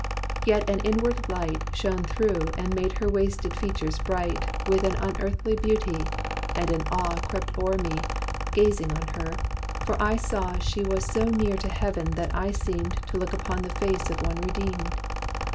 Yet an inward light Shone through and made her wasted features bright With an unearthly beauty; and an awe Crept o'er me, gazing on her, for I saw She was so near to Heaven that I seemed To look upon the face of one redeemed.